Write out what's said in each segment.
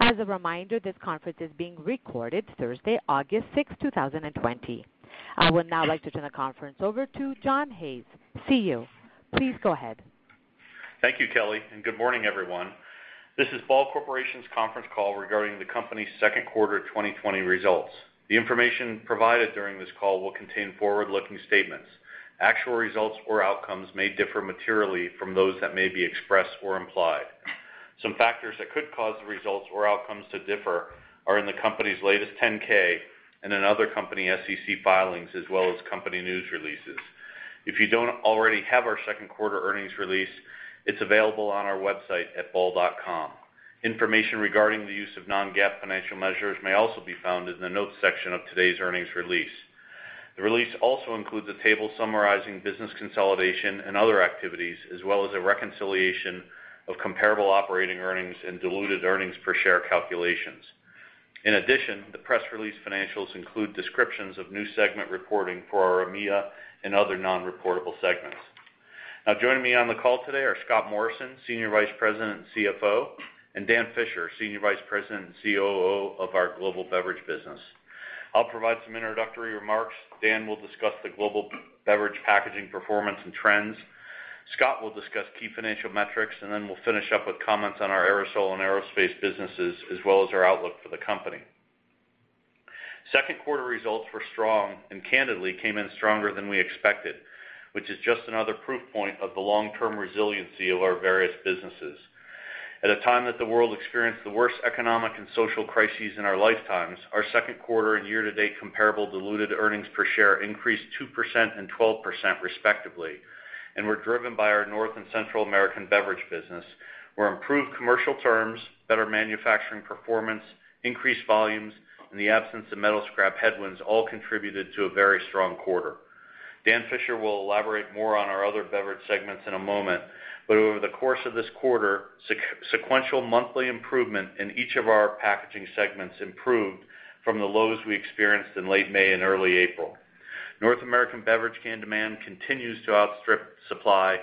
As a reminder, this conference is being recorded Thursday, August 6, 2020. I would now like to turn the conference over to John Hayes, CEO, please go ahead. Thank you, Kelly. Good morning, everyone. This is Ball Corporation's conference call regarding the company's second quarter 2020 results. The information provided during this call will contain forward-looking statements. Actual results or outcomes may differ materially from those that may be expressed or implied. Some factors that could cause the results or outcomes to differ are in the company's latest 10-K and in other company SEC filings, as well as company news releases. If you don't already have our second-quarter earnings release, it's available on our website at ball.com. Information regarding the use of non-GAAP financial measures may also be found in the notes section of today's earnings release. The release also includes a table summarizing business consolidation and other activities, as well as a reconciliation of comparable operating earnings and diluted earnings per share calculations. In addition, the press release financials include descriptions of new segment reporting for our EMEA and other non-reportable segments. Joining me on the call today are Scott Morrison, Senior Vice President and CFO, and Dan Fisher, Senior Vice President and COO of our Global Beverage business. I'll provide some introductory remarks. Dan will discuss the Global Beverage packaging performance and trends. Scott will discuss key financial metrics, and then we'll finish up with comments on our aerosol and aerospace businesses, as well as our outlook for the company. Second quarter results were strong and candidly came in stronger than we expected, which is just another proof point of the long-term resiliency of our various businesses. At a time that the world experienced the worst economic and social crises in our lifetimes, our second quarter and year-to-date comparable diluted earnings per share increased 2% and 12%, respectively and were driven by our North and Central American beverage business, where improved commercial terms, better manufacturing performance, increased volumes, and the absence of metal scrap headwinds all contributed to a very strong quarter. Dan Fisher will elaborate more on our other beverage segments in a moment. Over the course of this quarter, sequential monthly improvement in each of our packaging segments improved from the lows we experienced in late May and early April. North American beverage can demand continues to outstrip supply.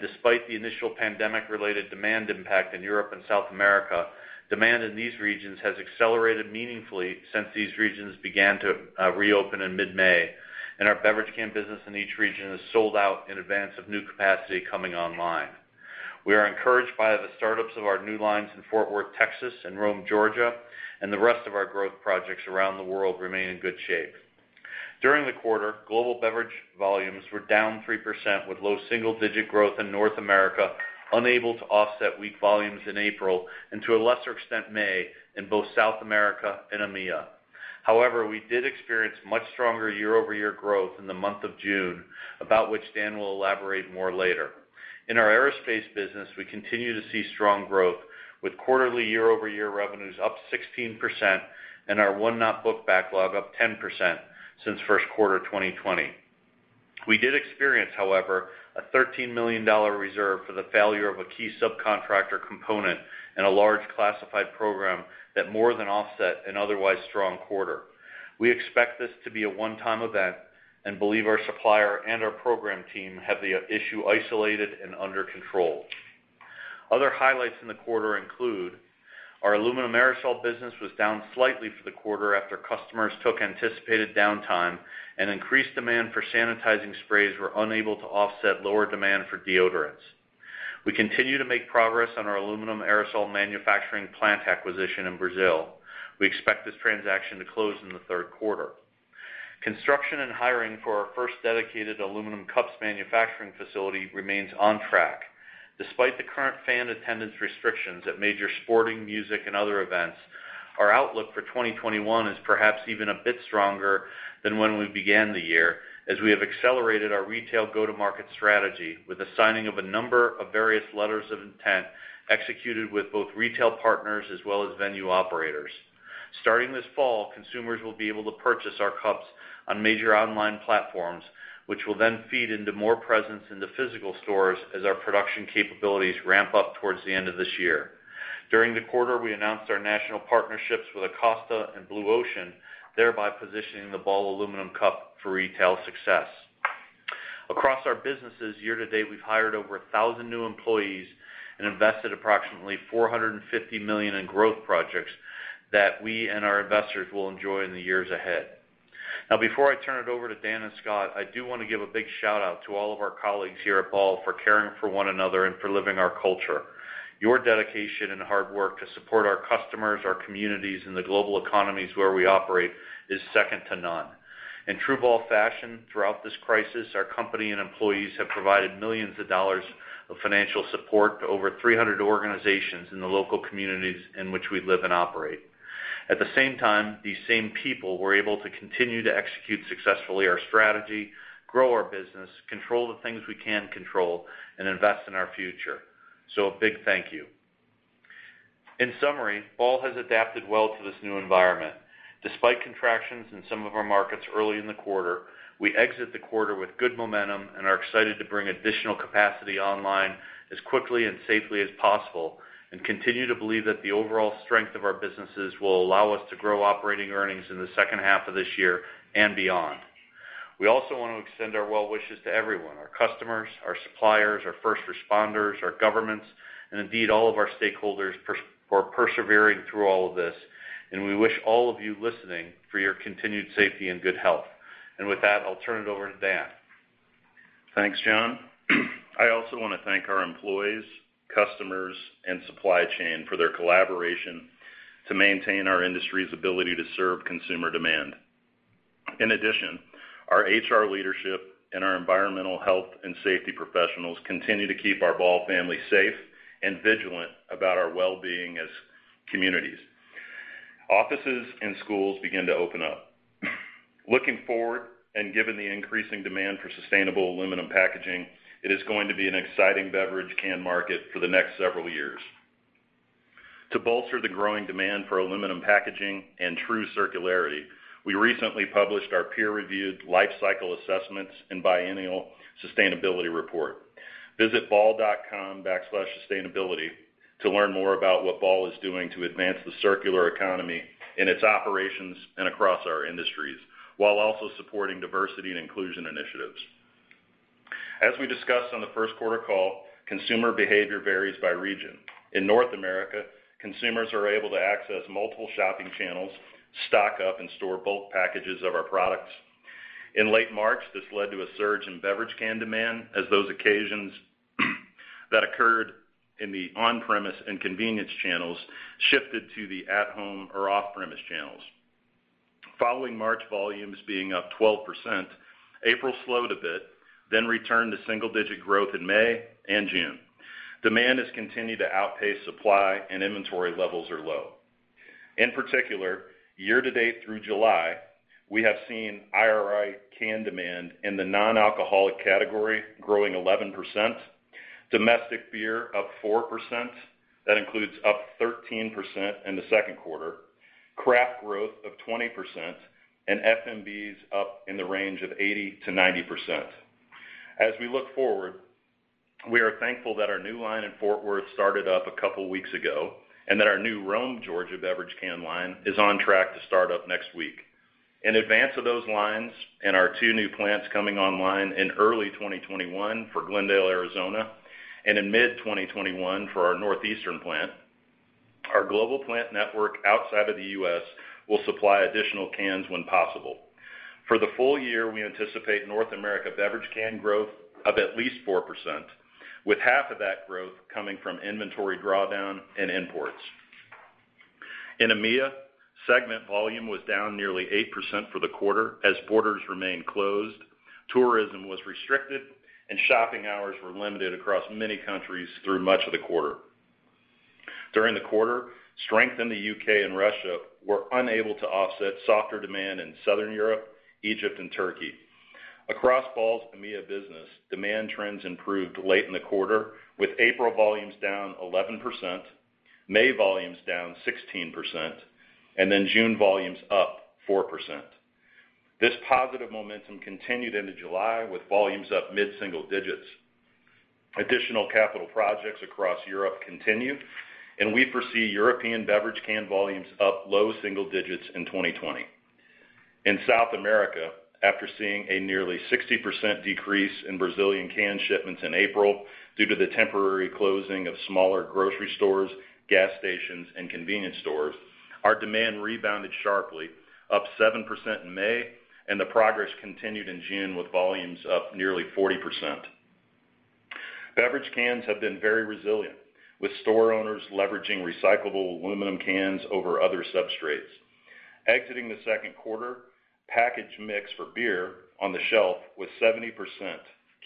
Despite the initial pandemic-related demand impact in Europe and South America, demand in these regions has accelerated meaningfully since these regions began to reopen in mid-May. Our beverage can business in each region is sold out in advance of new capacity coming online. We are encouraged by the startups of our new lines in Fort Worth, Texas, and Rome, Georgia, and the rest of our growth projects around the world remain in good shape. During the quarter, global beverage volumes were down 3% with low single-digit growth in North America unable to offset weak volumes in April and to a lesser extent May in both South America and EMEA. However, we did experience much stronger year-over-year growth in the month of June, about which Dan will elaborate more later. In our aerospace business, we continue to see strong growth with quarterly year-over-year revenues up 16% and our won-not-booked backlog up 10% since first quarter 2020. We did experience, however, a $13 million reserve for the failure of a key subcontractor component in a large classified program that more than offset an otherwise strong quarter. We expect this to be a one-time event and believe our supplier and our program team have the issue isolated and under control. Other highlights in the quarter include our aluminum aerosol business was down slightly for the quarter after customers took anticipated downtime, and increased demand for sanitizing sprays were unable to offset lower demand for deodorants. We continue to make progress on our aluminum aerosol manufacturing plant acquisition in Brazil. We expect this transaction to close in the third quarter. Construction and hiring for our first dedicated Aluminum Cups manufacturing facility remains on track. Despite the current fan attendance restrictions at major sporting, music, and other events, our outlook for 2021 is perhaps even a bit stronger than when we began the year, as we have accelerated our retail go-to-market strategy with the signing of a number of various letters of intent executed with both retail partners as well as venue operators. Starting this fall, consumers will be able to purchase our cups on major online platforms, which will then feed into more presence in the physical stores as our production capabilities ramp up towards the end of this year. During the quarter, we announced our national partnerships with Acosta and Blue Ocean, thereby positioning the Ball Aluminum Cup for retail success. Across our businesses year to date, we've hired over 1,000 new employees and invested approximately $450 million in growth projects that we and our investors will enjoy in the years ahead. Now, before I turn it over to Dan and Scott, I do want to give a big shout-out to all of our colleagues here at Ball for caring for one another and for living our culture. Your dedication and hard work to support our customers, our communities, and the global economies where we operate is second to none. In true Ball fashion, throughout this crisis, our company and employees have provided millions of dollars of financial support to over 300 organizations in the local communities in which we live and operate. At the same time, these same people were able to continue to execute successfully our strategy, grow our business, control the things we can control, and invest in our future. A big thank you. In summary, Ball has adapted well to this new environment. Despite contractions in some of our markets early in the quarter, we exit the quarter with good momentum and are excited to bring additional capacity online as quickly and safely as possible, and continue to believe that the overall strength of our businesses will allow us to grow operating earnings in the second half of this year and beyond. We also want to extend our well wishes to everyone, our customers, our suppliers, our first responders, our governments, and indeed all of our stakeholders for persevering through all of this. We wish all of you listening for your continued safety and good health. With that, I'll turn it over to Dan. Thanks, John. I also want to thank our employees, customers, and supply chain for their collaboration to maintain our industry's ability to serve consumer demand. In addition, our HR leadership and our environmental health and safety professionals continue to keep our Ball family safe and vigilant about our well-being as communities. Offices and schools begin to open up. Looking forward, given the increasing demand for sustainable aluminum packaging, it is going to be an exciting beverage can market for the next several years. To bolster the growing demand for aluminum packaging and true circularity, we recently published our peer-reviewed life cycle assessments and biennial sustainability report. Visit ball.com/sustainability to learn more about what Ball is doing to advance the circular economy in its operations and across our industries, while also supporting diversity and inclusion initiatives. As we discussed on the first quarter call, consumer behavior varies by region. In North America, consumers are able to access multiple shopping channels, stock up, and store bulk packages of our products. In late March, this led to a surge in beverage can demand, as those occasions that occurred in the on-premise and convenience channels shifted to the at-home or off-premise channels. Following March volumes being up 12%, April slowed a bit, then returned to single-digit growth in May and June. Demand has continued to outpace supply, and inventory levels are low. In particular, year-to-date through July, we have seen IRI can demand in the non-alcoholic category growing 11%, domestic beer up 4%. That includes up 13% in the second quarter, craft growth of 20%, and FMBs up in the range of 80%-90%. As we look forward, we are thankful that our new line in Fort Worth started up a couple of weeks ago, that our new Rome, Georgia beverage can line is on track to start up next week. In advance of those lines and our two new plants coming online in early 2021 for Glendale, Arizona, and in mid-2021 for our northeastern plant, our global plant network outside of the U.S. will supply additional cans when possible. For the full year, we anticipate North America beverage can growth of at least 4%, with half of that growth coming from inventory drawdown and imports. In EMEA, segment volume was down nearly 8% for the quarter as borders remained closed, tourism was restricted, and shopping hours were limited across many countries through much of the quarter. During the quarter, strength in the U.K. and Russia were unable to offset softer demand in Southern Europe, Egypt, and Turkey. Across Ball's EMEA business, demand trends improved late in the quarter, with April volumes down 11%, May volumes down 16%, June volumes up 4%. This positive momentum continued into July, with volumes up mid-single digits. Additional capital projects across Europe continued, we foresee European beverage can volumes up low single digits in 2020. In South America, after seeing a nearly 60% decrease in Brazilian can shipments in April due to the temporary closing of smaller grocery stores, gas stations, and convenience stores, our demand rebounded sharply, up 7% in May. The progress continued in June with volumes up nearly 40%. Beverage cans have been very resilient, with store owners leveraging recyclable aluminum cans over other substrates. Exiting the second quarter, package mix for beer on the shelf was 70%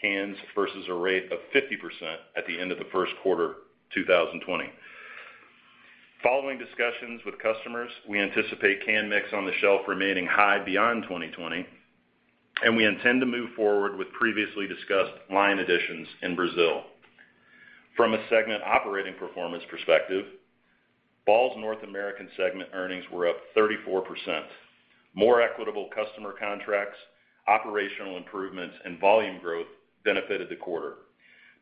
cans versus a rate of 50% at the end of the first quarter 2020. Following discussions with customers, we anticipate can mix on the shelf remaining high beyond 2020, and we intend to move forward with previously discussed line additions in Brazil. From a segment operating performance perspective, Ball's North American segment earnings were up 34%. More equitable customer contracts, operational improvements, and volume growth benefited the quarter.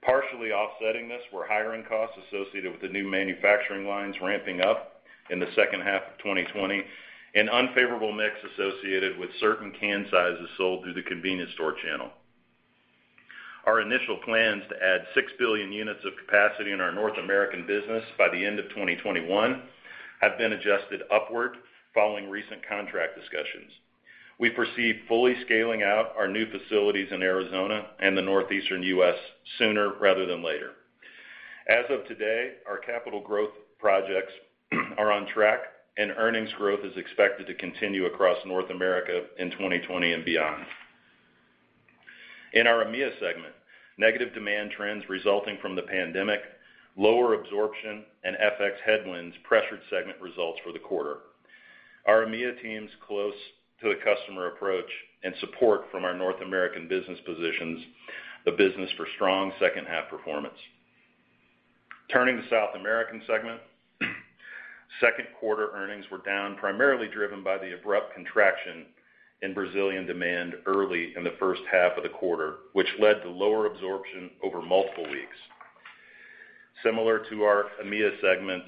Partially offsetting this were hiring costs associated with the new manufacturing lines ramping up in the second half of 2020 and unfavorable mix associated with certain can sizes sold through the convenience store channel. Our initial plans to add 6 billion units of capacity in our North American business by the end of 2021 have been adjusted upward following recent contract discussions. We foresee fully scaling out our new facilities in Arizona and the northeastern U.S. sooner rather than later. As of today, our capital growth projects are on track, and earnings growth is expected to continue across North America in 2020 and beyond. In our EMEA segment, negative demand trends resulting from the pandemic, lower absorption, and FX headwinds pressured segment results for the quarter. Our EMEA team's close-to-the-customer approach and support from our North American business positions the business for strong second-half performance. Turning to South American segment. Second quarter earnings were down, primarily driven by the abrupt contraction in Brazilian demand early in the first half of the quarter, which led to lower absorption over multiple weeks. Similar to our EMEA segments,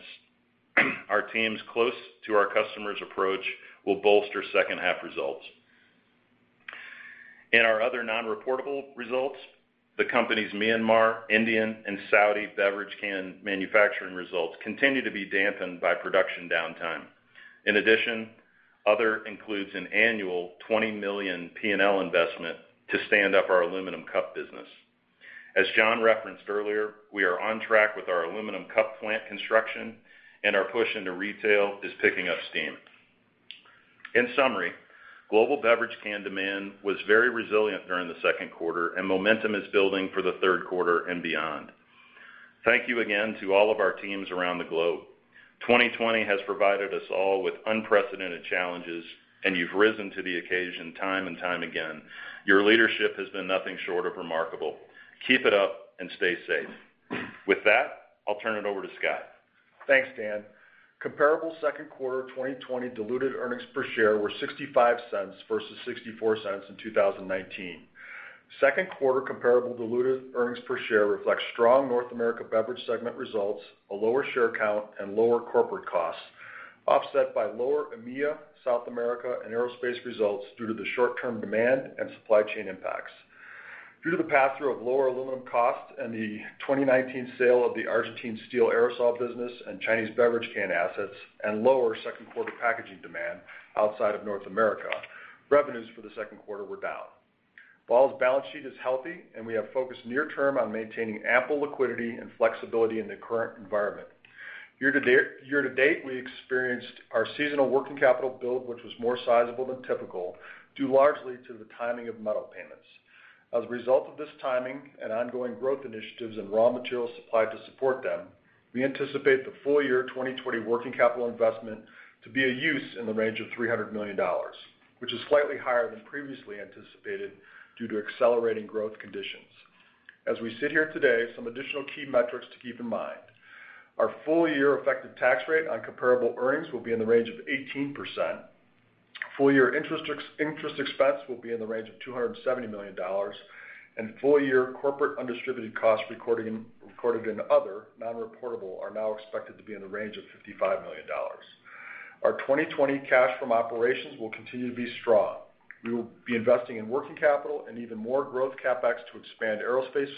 our team's close-to-our-customers approach will bolster second-half results. In our other non-reportable results, the company's Myanmar, Indian, and Saudi beverage can manufacturing results continue to be dampened by production downtime. In addition, other includes an annual $20 million P&L investment to stand up our Aluminum Cup business. As John referenced earlier, we are on track with our Aluminum Cup plant construction, and our push into retail is picking up steam. In summary, global beverage can demand was very resilient during the second quarter, and momentum is building for the third quarter and beyond. Thank you again to all of our teams around the globe. 2020 has provided us all with unprecedented challenges, and you've risen to the occasion time and time again. Your leadership has been nothing short of remarkable. Keep it up and stay safe. With that, I'll turn it over to Scott. Thanks, Dan. Comparable second quarter 2020 diluted earnings per share were $0.65 versus $0.64 in 2019. Second quarter comparable diluted earnings per share reflect strong North America beverage segment results, a lower share count, and lower corporate costs, offset by lower EMEA, South America and aerospace results due to the short-term demand and supply chain impacts. Due to the pass-through of lower aluminum costs and the 2019 sale of the Argentine steel aerosol business and Chinese beverage can assets, and lower second quarter packaging demand outside of North America, revenues for the second quarter were down. Ball's balance sheet is healthy, and we have focused near-term on maintaining ample liquidity and flexibility in the current environment. Year to date, we experienced our seasonal working capital build, which was more sizable than typical, due largely to the timing of metal payments. As a result of this timing and ongoing growth initiatives and raw material supply to support them, we anticipate the full year 2020 working capital investment to be a use in the range of $300 million, which is slightly higher than previously anticipated due to accelerating growth conditions. As we sit here today, some additional key metrics to keep in mind. Our full-year effective tax rate on comparable earnings will be in the range of 18%. Full-year interest expense will be in the range of $270 million. Full-year corporate undistributed costs recorded in other non-reportable are now expected to be in the range of $55 million. Our 2020 cash from operations will continue to be strong. We will be investing in working capital and even more growth CapEx to expand aerospace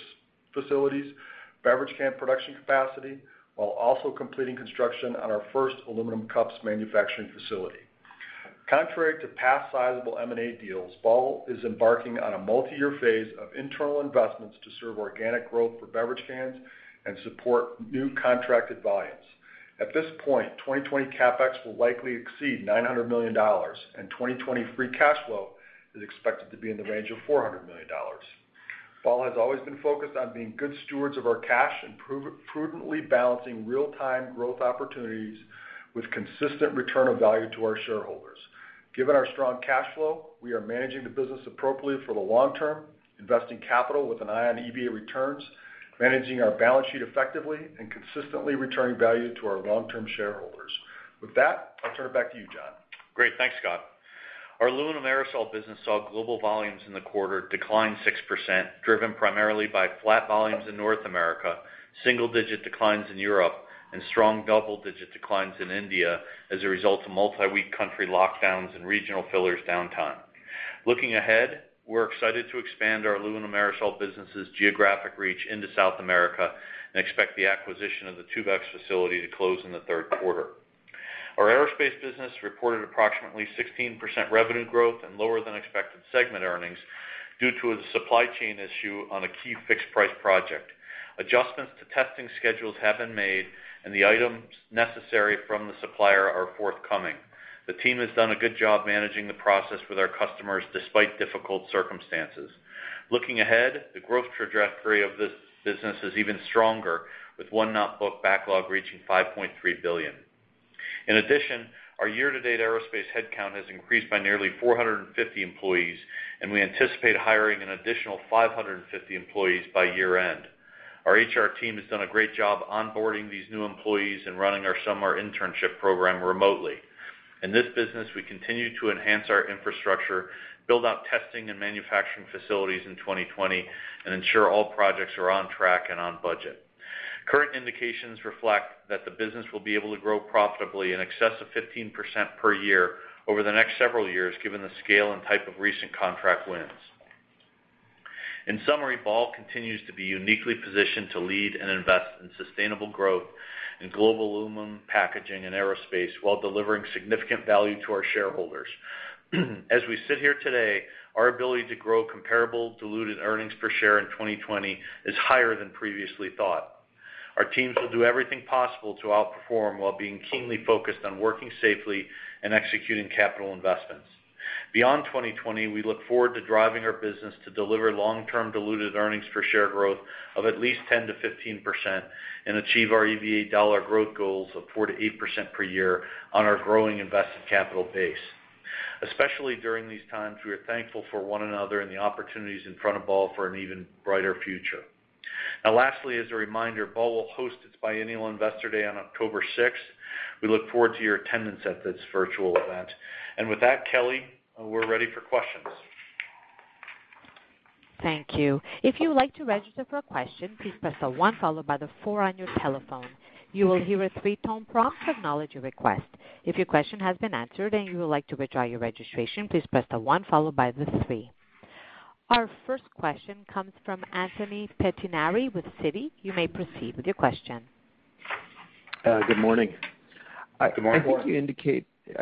facilities, beverage can production capacity, while also completing construction on our first Aluminum Cups manufacturing facility. Contrary to past sizable M&A deals, Ball is embarking on a multi-year phase of internal investments to serve organic growth for beverage cans and support new contracted volumes. At this point, 2020 CapEx will likely exceed $900 million, and 2020 free cash flow is expected to be in the range of $400 million. Ball has always been focused on being good stewards of our cash and prudently balancing real-time growth opportunities with consistent return of value to our shareholders. Given our strong cash flow, we are managing the business appropriately for the long term, investing capital with an eye on EVA returns, managing our balance sheet effectively and consistently returning value to our long-term shareholders. With that, I'll turn it back to you, John. Great. Thanks, Scott. Our aluminum aerosol business saw global volumes in the quarter decline 6%, driven primarily by flat volumes in North America, single-digit declines in Europe, and strong double-digit declines in India as a result of multi-week country lockdowns and regional fillers downtime. Looking ahead, we're excited to expand our aluminum aerosol business' geographic reach into South America and expect the acquisition of the Tubex facility to close in the third quarter. Our aerospace business reported approximately 16% revenue growth and lower than expected segment earnings due to a supply chain issue on a key fixed price project. Adjustments to testing schedules have been made and the items necessary from the supplier are forthcoming. The team has done a good job managing the process with our customers, despite difficult circumstances. Looking ahead, the growth trajectory of this business is even stronger, with won-not-booked backlog reaching $5.3 billion. In addition, our year-to-date aerospace headcount has increased by nearly 450 employees, and we anticipate hiring an additional 550 employees by year-end. Our HR team has done a great job onboarding these new employees and running our summer internship program remotely. In this business, we continue to enhance our infrastructure, build out testing and manufacturing facilities in 2020, and ensure all projects are on track and on budget. Current indications reflect that the business will be able to grow profitably in excess of 15% per year over the next several years, given the scale and type of recent contract wins. In summary, Ball continues to be uniquely positioned to lead and invest in sustainable growth in global aluminum packaging and aerospace while delivering significant value to our shareholders. As we sit here today, our ability to grow comparable diluted earnings per share in 2020 is higher than previously thought. Our teams will do everything possible to outperform while being keenly focused on working safely and executing capital investments. Beyond 2020, we look forward to driving our business to deliver long-term diluted earnings per share growth of at least 10%-15% and achieve our EVA dollar growth goals of 4%-8% per year on our growing invested capital base. Especially during these times, we are thankful for one another and the opportunities in front of Ball for an even brighter future. Lastly, as a reminder, Ball will host its biannual Investor Day on October 6th. We look forward to your attendance at this virtual event. With that, Kelly, we're ready for questions. Thank you. If you would like to register for a question, please press a one followed by the four on your telephone. You will hear a three-tone prompt to acknowledge your request. If your question has been answered and you would like to withdraw your registration, please press the one followed by the three. Our first question comes from Anthony Pettinari with Citi. You may proceed with your question. Good morning. Good morning.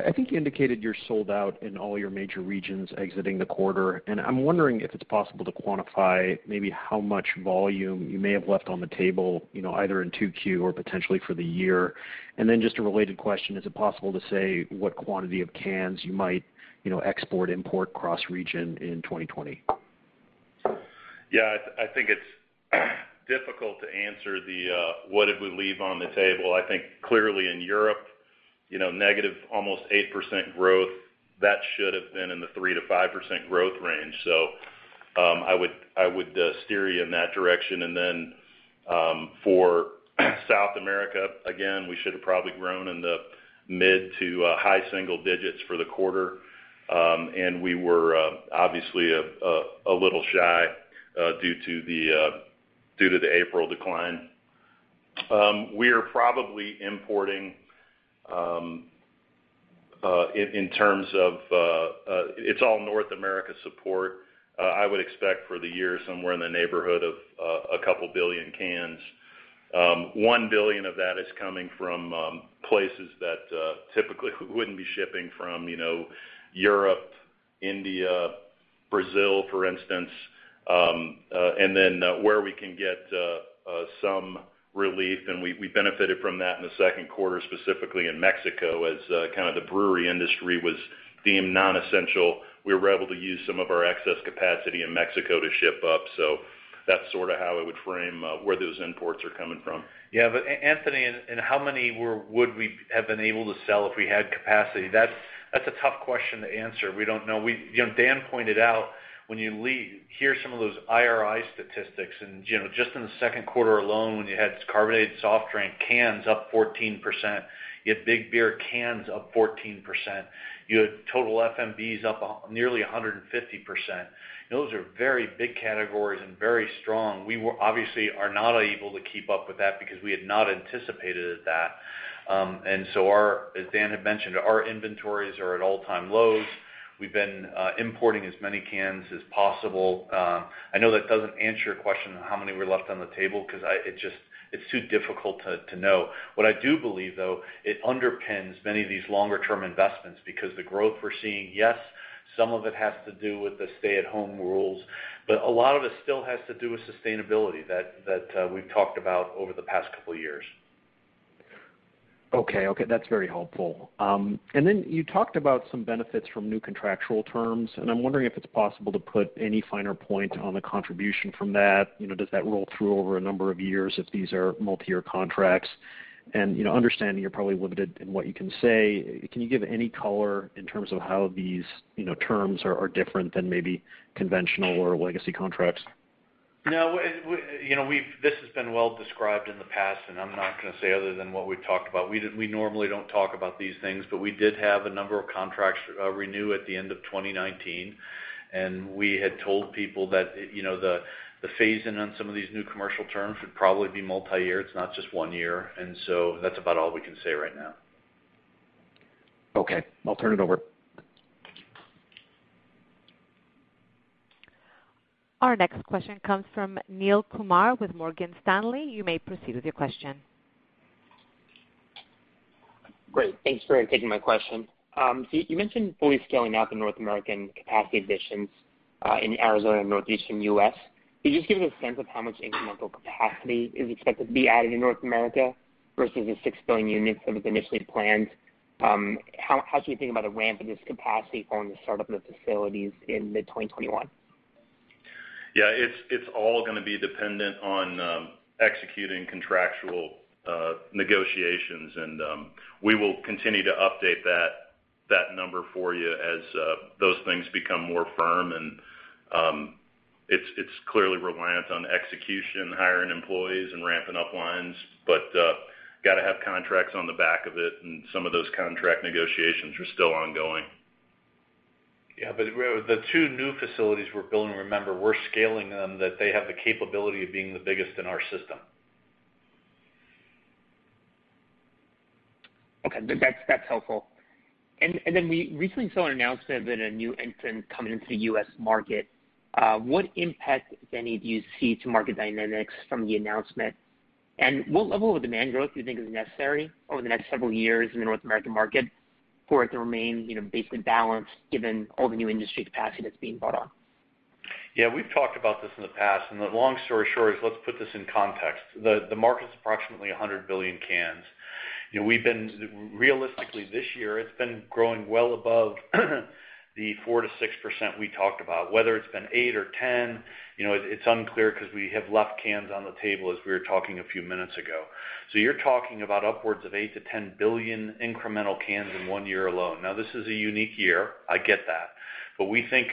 I think you indicated you're sold out in all your major regions exiting the quarter. I'm wondering if it's possible to quantify, maybe how much volume you may have left on the table, either in 2Q or potentially for the year. Just a related question, is it possible to say what quantity of cans you might export, import, cross-region in 2020? Yeah, I think it's difficult to answer the, what did we leave on the table. I think clearly in Europe, negative almost 8% growth, that should have been in the 3%-5% growth range. I would steer you in that direction. For South America, again, we should have probably grown in the mid to high single digits for the quarter. We were, obviously, a little shy due to the April decline. We are probably importing, in terms of its all North America support. I would expect for the year, somewhere in the neighborhood of a couple billion cans. 1 billion of that is coming from places that typically we wouldn't be shipping from, Europe, India, Brazil, for instance. Where we can get some relief, and we benefited from that in the second quarter, specifically in Mexico, as the brewery industry was deemed non-essential. We were able to use some of our excess capacity in Mexico to ship up. That's sort of how it would frame where those imports are coming from. Yeah. Anthony, and how many would we have been able to sell if we had capacity? That's a tough question to answer. We don't know. Dan pointed out when you hear some of those IRI statistics and, just in the second quarter alone, you had carbonated soft drink cans up 14%, you had big beer cans up 14%, you had total FMBs up nearly 150%. Those are very big categories and very strong. We obviously are not able to keep up with that because we had not anticipated that. Our, as Dan had mentioned, our inventories are at all-time lows. We've been importing as many cans as possible. I know that doesn't answer your question on how many were left on the table, because it's too difficult to know. What I do believe, though, it underpins many of these longer-term investments because the growth we're seeing, yes, some of it has to do with the stay-at-home rules, but a lot of it still has to do with sustainability that we've talked about over the past couple of years. Okay. That's very helpful. Then you talked about some benefits from new contractual terms, and I'm wondering if it's possible to put any finer point on the contribution from that. Does that roll through over a number of years if these are multi-year contracts? Understanding you're probably limited in what you can say, can you give any color in terms of how these terms are different than maybe conventional or legacy contracts? No, this has been well described in the past, and I'm not going to say other than what we've talked about. We normally don't talk about these things, but we did have a number of contracts renew at the end of 2019, and we had told people that the phase-in on some of these new commercial terms would probably be multi-year. It's not just one year. That's about all we can say right now. Okay. I'll turn it over. Our next question comes from Neel Kumar with Morgan Stanley. You may proceed with your question. Great. Thanks for taking my question. You mentioned fully scaling out the North American capacity additions in Arizona and Northeastern U.S. Could you just give a sense of how much incremental capacity is expected to be added in North America versus the six billion units that was initially planned? How should we think about a ramp in this capacity following the startup of the facilities in mid-2021? Yeah, it's all going to be dependent on executing contractual negotiations, and we will continue to update that number for you as those things become more firm. It's clearly reliant on execution, hiring employees and ramping up lines, but got to have contracts on the back of it, and some of those contract negotiations are still ongoing. The two new facilities we're building, remember, we're scaling them that they have the capability of being the biggest in our system. Okay. That's helpful. We recently saw an announcement of a new entrant coming into the U.S. market. What impact, if any, do you see to market dynamics from the announcement? What level of demand growth do you think is necessary over the next several years in the North American market for it to remain basically balanced, given all the new industry capacity that's being brought on? Yeah, we've talked about this in the past. The long story short is, let's put this in context. The market's approximately 100 billion cans. Realistically, this year, it's been growing well above the 4%-6% we talked about. Whether it's been 8% or 10%, it's unclear because we have left cans on the table as we were talking a few minutes ago. You're talking about upwards of 8 billion-10 billion incremental cans in one year alone. This is a unique year, I get that. We think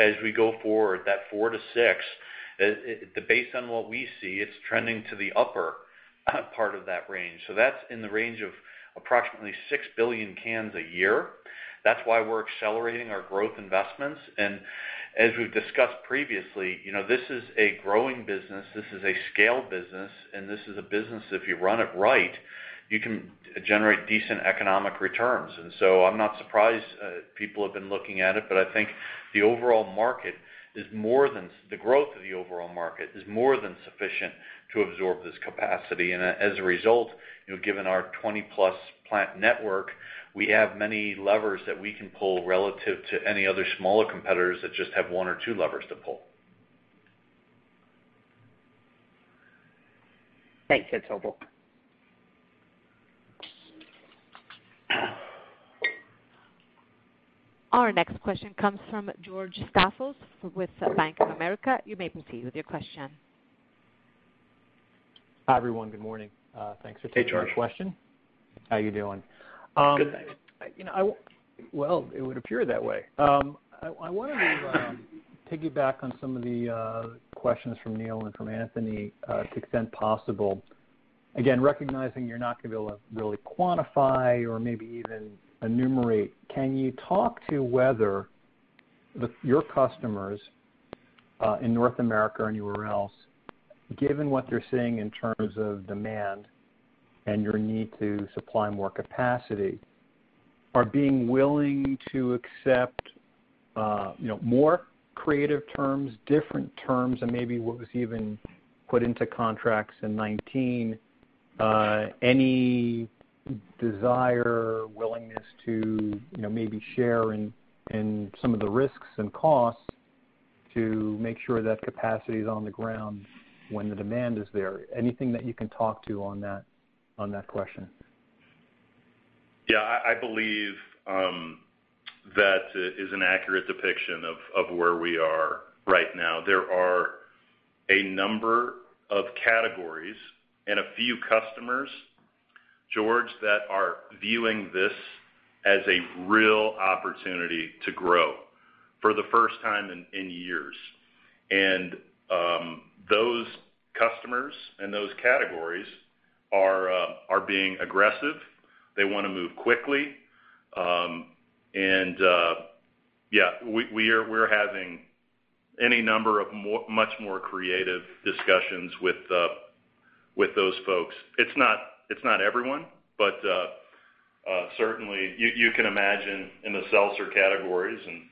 as we go forward, that 4%-6%, based on what we see, it's trending to the upper part of that range. That's in the range of approximately 6 billion cans a year. That's why we're accelerating our growth investments, and as we've discussed previously, this is a growing business, this is a scale business, and this is a business, if you run it right, you can generate decent economic returns. I'm not surprised people have been looking at it, but I think the growth of the overall market is more than sufficient to absorb this capacity. As a result, given our 20+ plant network, we have many levers that we can pull relative to any other smaller competitors that just have one or two levers to pull. Thanks, that's helpful. Our next question comes from George Staphos with Bank of America. You may proceed with your question. Hi, everyone. Good morning. Thanks for taking my question. Hey, George. How you doing? Good, thanks. Well, it would appear that way. I wanted to piggyback on some of the questions from Neel and from Anthony, to the extent possible. Again, recognizing you're not going to be able to really quantify or maybe even enumerate, can you talk to whether your customers, in North America or anywhere else, given what they're seeing in terms of demand and your need to supply more capacity, are being willing to accept more creative terms, different terms than maybe what was even put into contracts in 2019? Any desire or willingness to maybe share in some of the risks and costs to make sure that capacity is on the ground when the demand is there? Anything that you can talk to on that question? Yeah, I believe that is an accurate depiction of where we are right now. There are a number of categories and a few customers, George, that are viewing this as a real opportunity to grow for the first time in years. Those customers and those categories are being aggressive. They want to move quickly. Yeah, we're having any number of much more creative discussions with those folks. It's not everyone, but certainly, you can imagine in the seltzer categories, and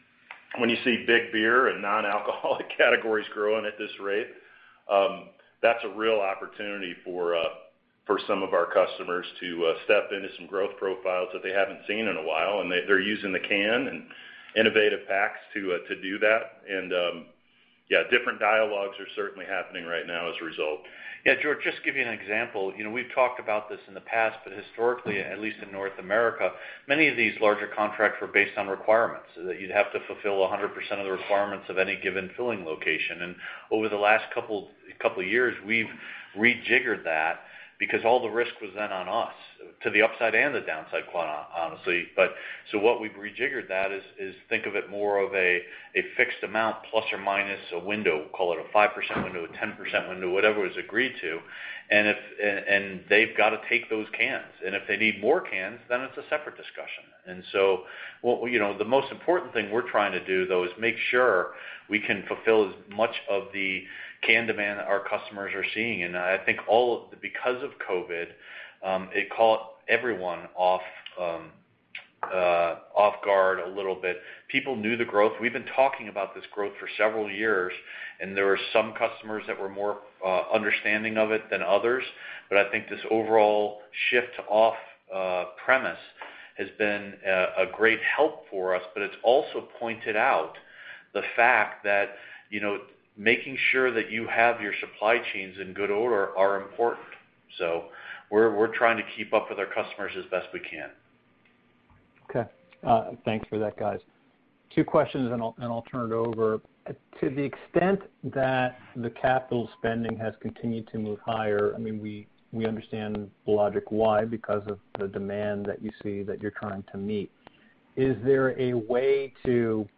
when you see big beer and non-alcoholic categories growing at this rate, that's a real opportunity for some of our customers to step into some growth profiles that they haven't seen in a while, and they're using the can and innovative packs to do that. Yeah, different dialogues are certainly happening right now as a result. Yeah, George, just to give you an example. We've talked about this in the past, but historically, at least in North America, many of these larger contracts were based on requirements, so that you'd have to fulfill 100% of the requirements of any given filling location. Over the last couple years, we've rejiggered that because all the risk was then on us, to the upside and the downside, honestly. What we've rejiggered, that is, think of it more of a fixed amount plus or minus a window. We'll call it a 5% window, a 10% window, whatever is agreed to, and they've got to take those cans. If they need more cans, then it's a separate discussion. The most important thing we're trying to do, though, is make sure we can fulfill as much of the can demand that our customers are seeing. I think because of COVID, it caught everyone off guard a little bit. People knew the growth. We've been talking about this growth for several years, and there were some customers that were more understanding of it than others. I think this overall shift off premise has been a great help for us, but it's also pointed out the fact that making sure that you have your supply chains in good order are important. We're trying to keep up with our customers as best we can. Okay. Thanks for that, guys. Two questions, and I'll turn it over. To the extent that the capital spending has continued to move higher, we understand the logic why, because of the demand that you see that you're trying to meet. Is there a way to,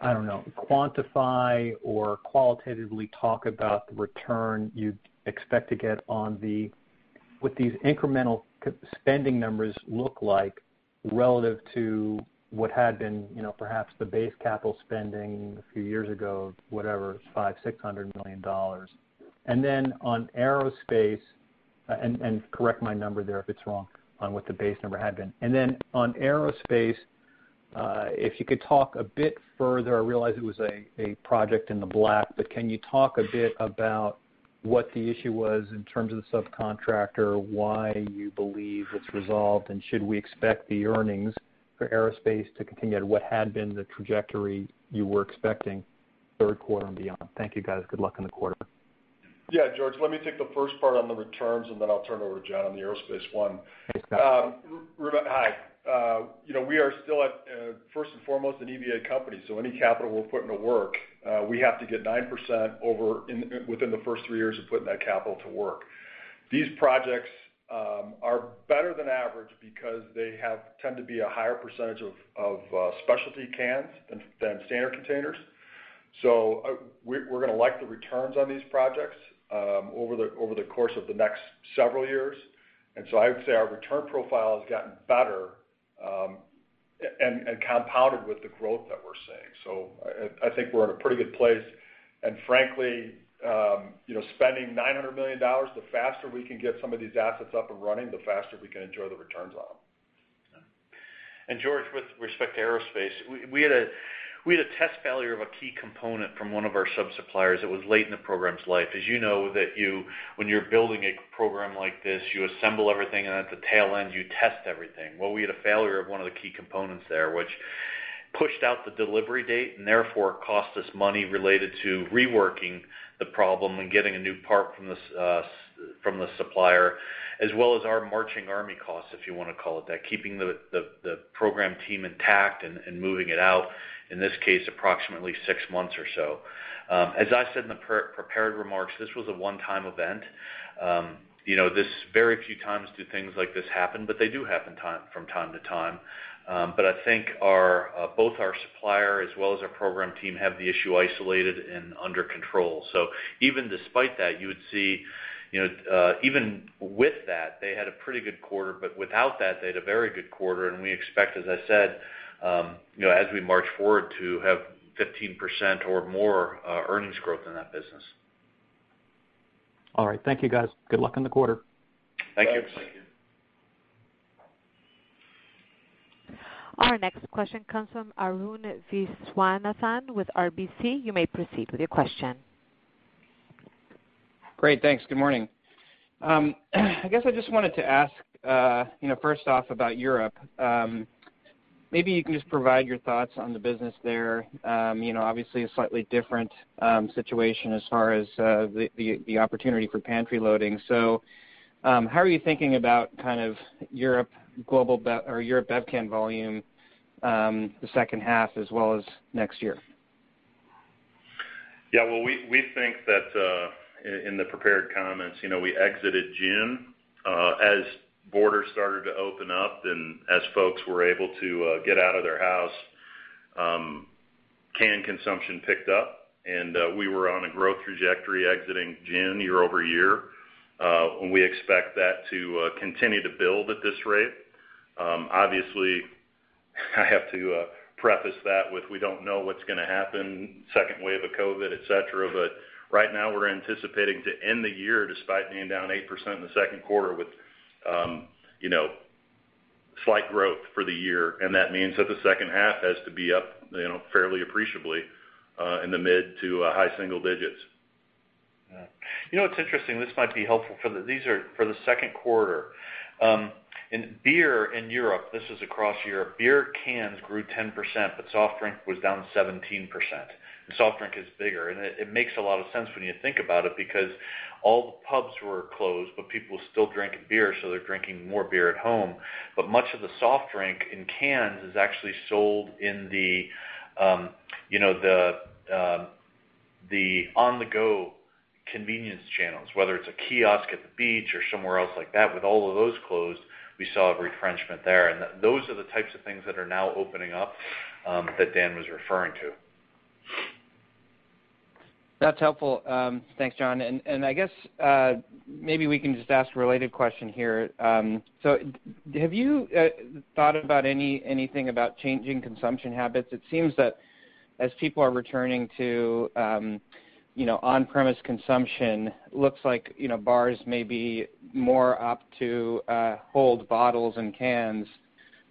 I don't know, quantify or qualitatively talk about the return you'd expect to get on what these incremental spending numbers look like relative to what had been perhaps the base CapEx a few years ago, whatever, $500 million, $600 million? Correct my number there if it's wrong on what the base number had been. On aerospace, if you could talk a bit further. I realize it was a project in the black, but can you talk a bit about what the issue was in terms of the subcontractor, why you believe it's resolved, and should we expect the earnings for aerospace to continue at what had been the trajectory you were expecting third quarter and beyond? Thank you, guys. Good luck in the quarter. Yeah, George, let me take the first part on the returns, and then I'll turn it over to John on the aerospace one. Thanks, Dan. Hi. We are still at, first and foremost, an EVA company, so any capital we'll put into work, we have to get 9% within the first three years of putting that capital to work. These projects are better than average because they tend to be a higher percentage of specialty cans than standard containers. We're going to like the returns on these projects over the course of the next several years. I would say our return profile has gotten better, and compounded with the growth that we're seeing. I think we're in a pretty good place, and frankly, spending $900 million, the faster we can get some of these assets up and running, the faster we can enjoy the returns on them. George, with respect to aerospace, we had a test failure of a key component from one of our sub-suppliers. It was late in the program's life. As you know, when you're building a program like this, you assemble everything, and at the tail end, you test everything. Well, we had a failure of one of the key components there, which pushed out the delivery date, and therefore cost us money related to reworking the problem and getting a new part from the supplier, as well as our marching army costs, if you want to call it that. Keeping the program team intact and moving it out, in this case, approximately six months or so. As I said in the prepared remarks, this was a one-time event. Very few times do things like this happen, but they do happen from time to time. I think both our supplier as well as our program team have the issue isolated and under control. Even despite that, you would see, even with that, they had a pretty good quarter, but without that, they had a very good quarter, and we expect, as I said, as we march forward, to have 15% or more earnings growth in that business. All right. Thank you, guys. Good luck in the quarter. Thank you. Thanks. Our next question comes from Arun Viswanathan with RBC. You may proceed with your question. Great. Thanks. Good morning. I guess I just wanted to ask, first off, about Europe. Maybe you can just provide your thoughts on the business there. Obviously, a slightly different situation as far as the opportunity for pantry loading. How are you thinking about Europe Bevcan volume the second half as well as next year? Yeah. Well, we think that, in the prepared comments, we exited June. As borders started to open up and as folks were able to get out of their house, can consumption picked up, and we were on a growth trajectory exiting June year-over-year. We expect that to continue to build at this rate. Obviously, I have to preface that with we don't know what's going to happen, second wave of COVID, et cetera. Right now, we're anticipating to end the year, despite being down 8% in the second quarter, with slight growth for the year. That means that the second half has to be up fairly appreciably, in the mid to high single digits. You know what's interesting? This might be helpful. These are for the second quarter. In beer in Europe, this is across Europe, beer cans grew 10%, soft drink was down 17%, and soft drink is bigger. It makes a lot of sense when you think about it, because all the pubs were closed, but people are still drinking beer, so they're drinking more beer at home. Much of the soft drink in cans is actually sold in the on-the-go convenience channels, whether it's a kiosk at the beach or somewhere else like that. With all of those closed, we saw a retrenchment there. Those are the types of things that are now opening up that Dan was referring to. That's helpful. Thanks, John. I guess, maybe we can just ask a related question here. Have you thought about anything about changing consumption habits? It seems that as people are returning to on-premise consumption, looks like bars may be more apt to hold bottles and cans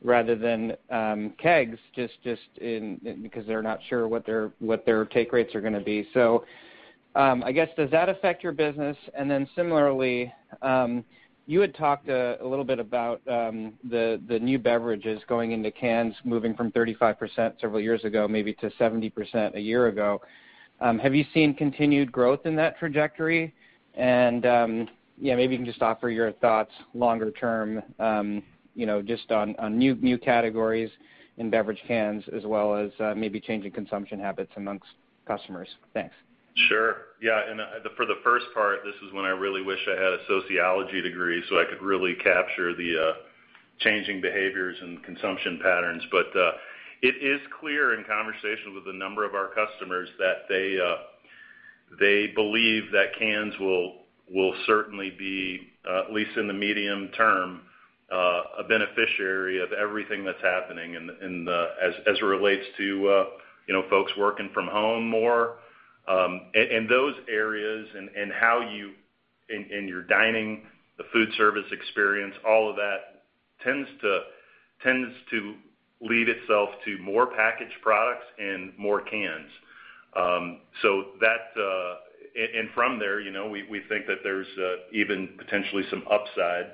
rather than kegs, just because they're not sure what their take rates are going to be. I guess, does that affect your business? Similarly, you had talked a little bit about the new beverages going into cans, moving from 35% several years ago, maybe to 70% a year ago. Have you seen continued growth in that trajectory? Yeah, maybe you can just offer your thoughts longer term, just on new categories in beverage cans as well as maybe changing consumption habits amongst customers. Thanks. Sure. Yeah. For the first part, this is when I really wish I had a sociology degree so I could really capture the changing behaviors and consumption patterns. It is clear in conversations with a number of our customers that they believe that cans will certainly be, at least in the medium term, a beneficiary of everything that's happening as it relates to folks working from home more. Those areas and how you in your dining, the food service experience, all of that tends to lead itself to more packaged products and more cans. From there, we think that there's even potentially some upside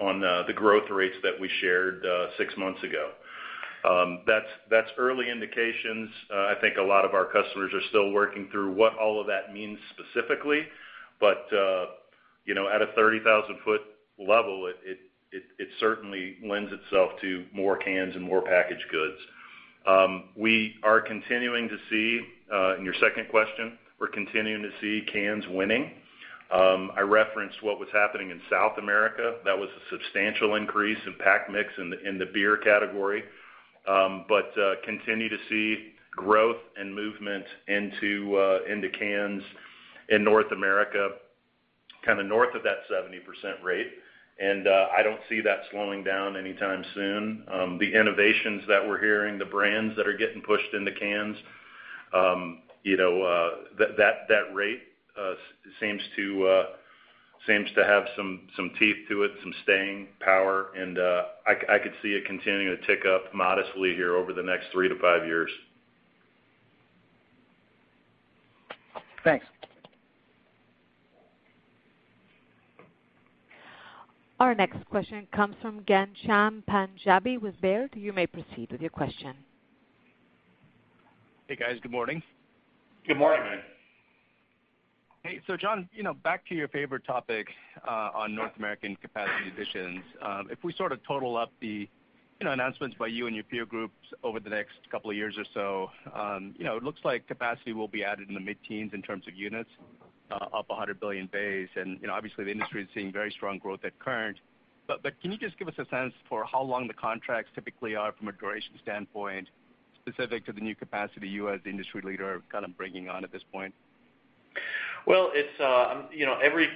on the growth rates that we shared six months ago. That's early indications. I think a lot of our customers are still working through what all of that means specifically. At a 30,000-foot level, it certainly lends itself to more cans and more packaged goods. We are continuing to see, in your second question, we're continuing to see cans winning. I referenced what was happening in South America. That was a substantial increase in pack mix in the beer category. Continue to see growth and movement into cans in North America, kind of north of that 70% rate. I don't see that slowing down anytime soon. The innovations that we're hearing, the brands that are getting pushed into cans, that rate seems to have some teeth to it, some staying power, and I could see it continuing to tick up modestly here over the next three to five years. Thanks. Our next question comes from Ghansham Panjabi with Baird. You may proceed with your question. Hey, guys. Good morning. Good morning. Hey. John, back to your favorite topic on North American capacity additions. If we sort of total up the announcements by you and your peer groups over the next couple of years or so, it looks like capacity will be added in the mid-teens in terms of units, up 100 billion base, and obviously, the industry is seeing very strong growth at current. Can you just give us a sense for how long the contracts typically are from a duration standpoint, specific to the new capacity you as the industry leader are kind of bringing on at this point? Well, every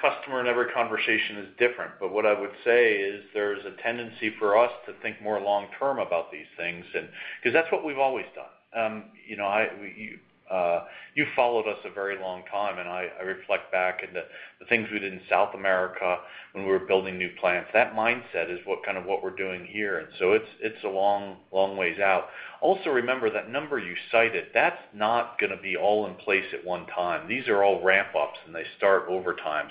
customer and every conversation is different, but what I would say is there's a tendency for us to think more long-term about these things, because that's what we've always done. You've followed us a very long time, and I reflect back on the things we did in South America when we were building new plants. That mindset is what we're doing here. It's a long ways out. Also, remember that number you cited, that's not going to be all in place at one time. These are all ramp-ups, and they start over time.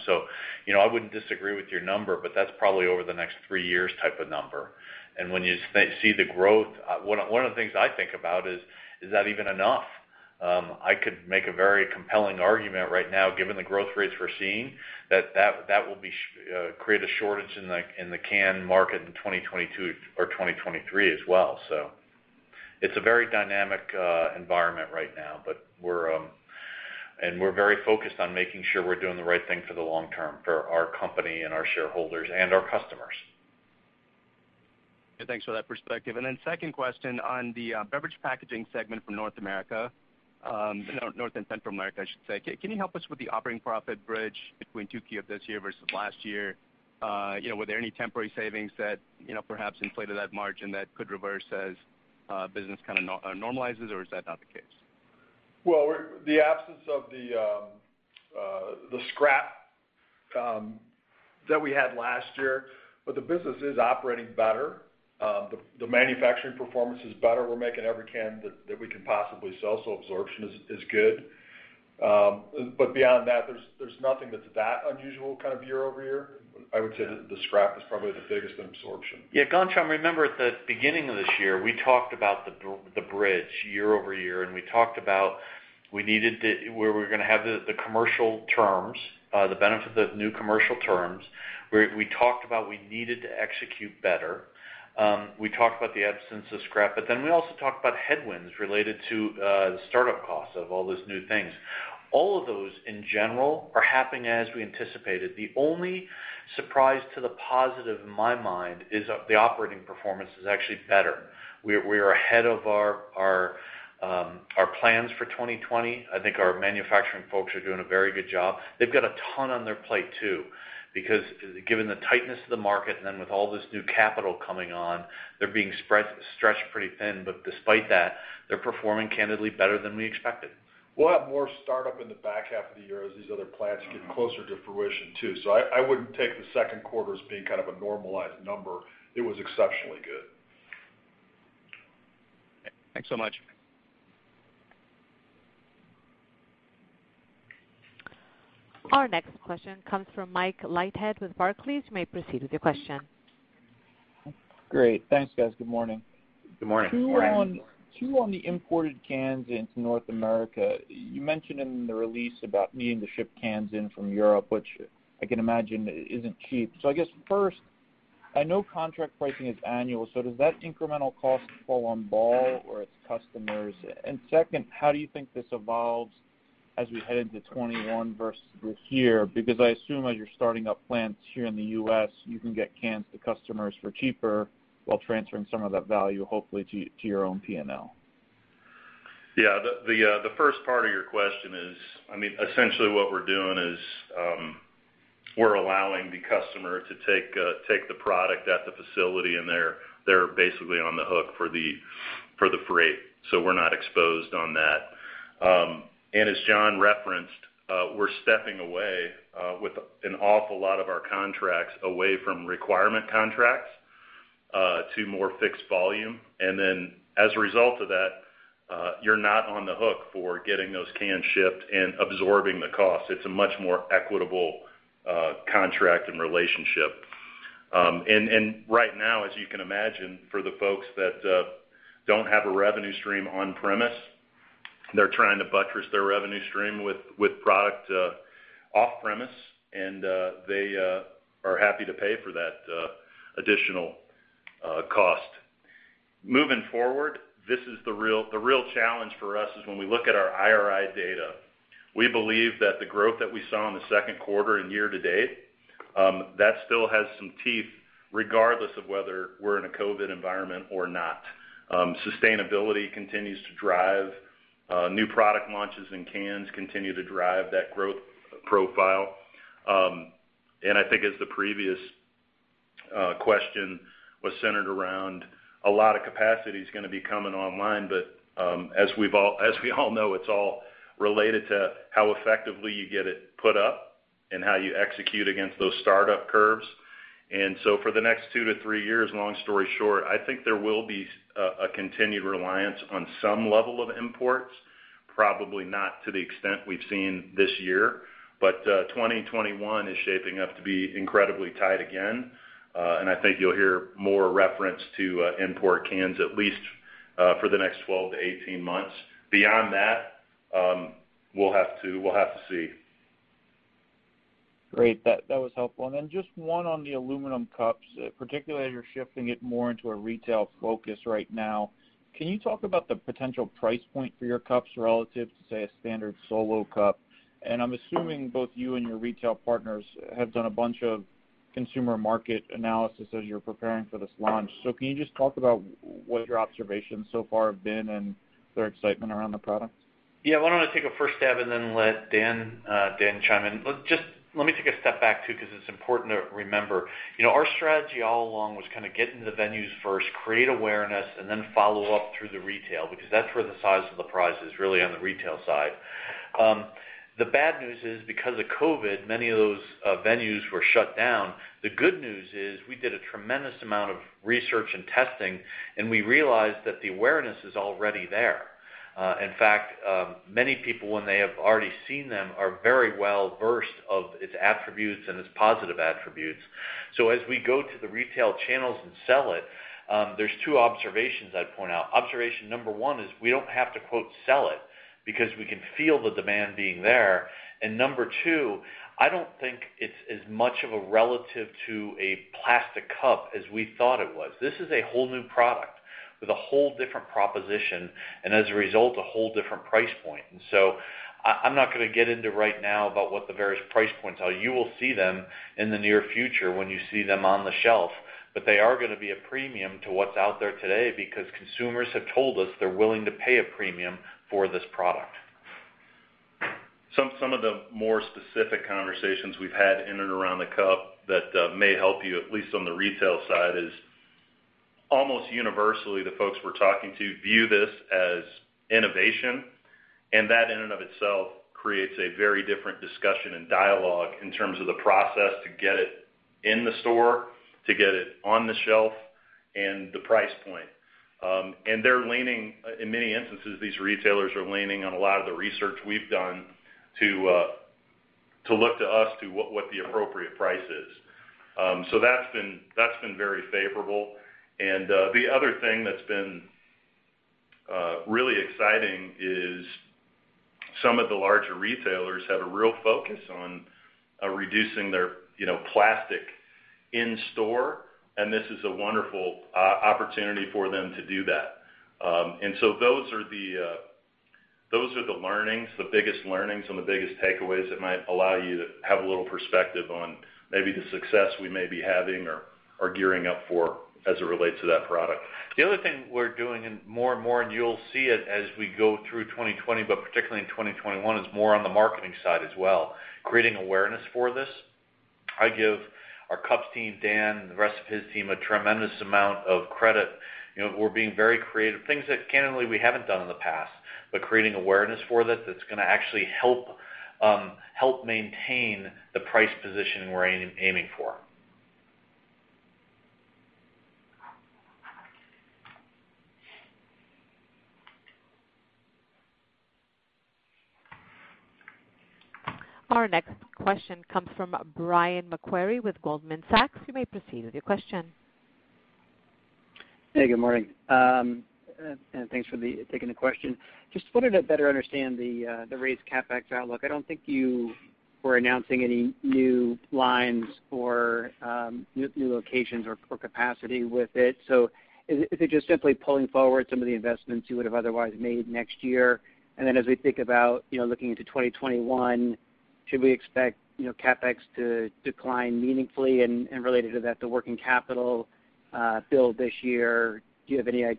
I wouldn't disagree with your number, but that's probably over-the-next-three-years type of number. When you see the growth, one of the things I think about is that even enough. I could make a very compelling argument right now, given the growth rates we're seeing, that that will create a shortage in the can market in 2022 or 2023 as well. It's a very dynamic environment right now, and we're very focused on making sure we're doing the right thing for the long term for our company and our shareholders and our customers. Thanks for that perspective. Second question on the beverage packaging segment from North America, North and Central America, I should say. Can you help us with the operating profit bridge between 2Q of this year versus last year? Were there any temporary savings that perhaps inflated that margin that could reverse as business kind of normalizes, or is that not the case? Well, the absence of the scrap that we had last year, but the business is operating better. The manufacturing performance is better. We're making every can that we can possibly sell, so absorption is good. Beyond that, there's nothing that's that unusual kind of year-over-year. I would say that the scrap is probably the biggest in absorption. Yeah, Ghansham, remember at the beginning of this year, we talked about the bridge year-over-year, and we talked about where we're going to have the commercial terms, the benefit of new commercial terms. We talked about we needed to execute better. We talked about the absence of scrap, but then we also talked about headwinds related to the startup costs of all those new things. All of those, in general, are happening as we anticipated. The only surprise to the positive in my mind is the operating performance is actually better. We are ahead of our plans for 2020. I think our manufacturing folks are doing a very good job. They've got a ton on their plate, too, because given the tightness of the market and then with all this new capital coming on, they're being stretched pretty thin. Despite that, they're performing candidly better than we expected. We'll have more startup in the back half of the year as these other plants get closer to fruition, too. I wouldn't take the second quarter as being kind of a normalized number. It was exceptionally good. Thanks so much. Our next question comes from Mike Leithead with Barclays. You may proceed with your question. Great. Thanks, guys. Good morning. Good morning. Two on the imported cans into North America. You mentioned in the release about needing to ship cans in from Europe, which I can imagine isn't cheap. I guess, first, I know contract pricing is annual, does that incremental cost fall on Ball or its customers? Second, how do you think this evolves as we head into 2021 versus this year? I assume, as you're starting up plants here in the U.S., you can get cans to customers for cheaper while transferring some of that value, hopefully, to your own P&L. The first part of your question is essentially what we're doing is we're allowing the customer to take the product at the facility, and they're basically on the hook for the freight. We're not exposed on that. As John referenced, we're stepping away with an awful lot of our contracts away from requirement contracts to more fixed volume. Then, as a result of that, you're not on the hook for getting those cans shipped and absorbing the cost. It's a much more equitable contract and relationship. Right now, as you can imagine, for the folks that don't have a revenue stream on-premise, they're trying to buttress their revenue stream with product off-premise, and they are happy to pay for that additional cost. Moving forward, the real challenge for us is when we look at our IRI data. We believe that the growth that we saw in the second quarter and year to date, that still has some teeth, regardless of whether we're in a COVID environment or not. Cans continue to drive that growth profile. I think as the previous question was centered around, a lot of capacity is going to be coming online, but as we all know, it's all related to how effectively you get it put up and how you execute against those startup curves. So, for the next two to three years, long story short, I think there will be a continued reliance on some level of imports, probably not to the extent we've seen this year. 2021 is shaping up to be incredibly tight again. I think you'll hear more reference to import cans, at least for the next 12-18 months. Beyond that, we'll have to see. Great. That was helpful. Then just one on the Aluminum Cups, particularly as you're shifting it more into a retail focus right now. Can you talk about the potential price point for your cups relative to, say, a standard Solo Cup? I'm assuming both you and your retail partners have done a bunch of consumer market analysis as you're preparing for this launch. Can you just talk about what your observations so far have been and their excitement around the product? Why don't I take a first stab and then let Dan chime in? Let me take a step back, too, because it's important to remember. Our strategy all along was kind of get into the venues first, create awareness, and then follow up through the retail, because that's where the size of the prize is, really on the retail side. The bad news is, because of COVID, many of those venues were shut down. The good news is we did a tremendous amount of research and testing, and we realized that the awareness is already there. In fact, many people, when they have already seen them, are very well-versed of its attributes and its positive attributes. As we go to the retail channels and sell it, there's two observations I'd point out. Observation number one is we don't have to "sell it" because we can feel the demand being there. Number two, I don't think it's as much of a relative to a plastic cup as we thought it was. This is a whole new product with a whole different proposition, and as a result, a whole different price point. I'm not going to get into right now about what the various price points are. You will see them in the near future when you see them on the shelf, but they are going to be a premium to what's out there today because consumers have told us they're willing to pay a premium for this product. Some of the more specific conversations we've had in and around the cup that may help you, at least on the retail side, is almost universally the folks we're talking to view this as innovation, and that in and of itself creates a very different discussion and dialogue in terms of the process to get it in the store, to get it on the shelf, and the price point. In many instances, these retailers are leaning on a lot of the research we've done to look to us to what the appropriate price is. The other thing that's been really exciting is some of the larger retailers have a real focus on reducing their plastic in-store, and this is a wonderful opportunity for them to do that. Those are the learnings, the biggest learnings and the biggest takeaways that might allow you to have a little perspective on maybe the success we may be having or are gearing up for as it relates to that product. The other thing we're doing more and more, and you'll see it as we go through 2020, but particularly in 2021, is more on the marketing side as well, creating awareness for this. I give our cups team, Dan, the rest of his team a tremendous amount of credit. We're being very creative. Things that candidly we haven't done in the past, but creating awareness for this, that's going to actually help maintain the price position we're aiming for. Our next question comes from Brian Maguire with Goldman Sachs. You may proceed with your question. Hey, good morning. Thanks for taking the question. Just wanted to better understand the raised CapEx outlook. I don't think you were announcing any new lines or new locations or capacity with it. Is it just simply pulling forward some of the investments you would have otherwise made next year? As we think about looking into 2021, should we expect CapEx to decline meaningfully? Related to that, the working capital build this year, do you have any